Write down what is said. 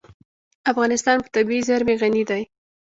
افغانستان په طبیعي زیرمې غني دی.